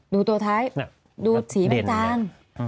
ดูตัวท้ายดูสีแม่จาน